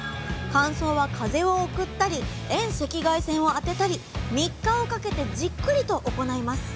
乾燥は風を送ったり遠赤外線を当てたり３日をかけてじっくりと行います。